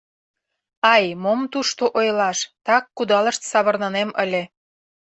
Ай, мом тушто ойлаш, так кудалышт савырнынем ыле.